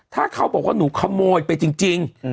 ถ้าเขาบอกว่าหนูขโมยไปจริง